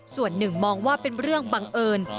ส่วนหนึ่งมองว่าเป็นเรื่องบังเอิญ